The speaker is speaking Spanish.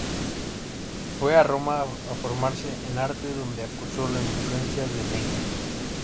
Fue a Roma a formarse en arte, donde acusó la influencia de Mengs.